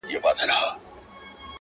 د ځوانیمرګو زړو تاوده رګونه؛